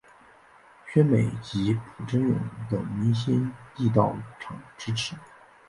宣美及朴轸永等明星亦到场支持。